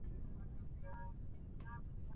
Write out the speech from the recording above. Obispo Prelado de Moyobamba.